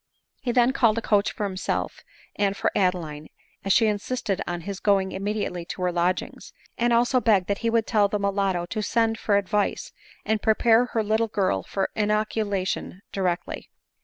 He then called a coach for himself, and for Adeline, as she insisted on his going immediately to her lodgings; and also begged that he would tell the mulatto to send for advice, and prepare her little girl for inocuW tion directly.